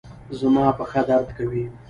زما پښه درد کوي